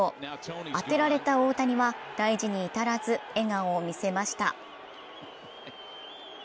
当てられた大谷は大事に至らず笑顔を見せました。